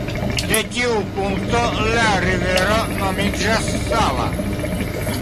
De tiu punkto la rivero nomiĝas Sava.